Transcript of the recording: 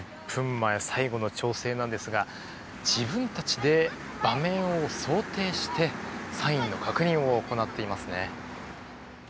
前最後の調整なんですが自分たちで場面を想定してサインの確認を行っています。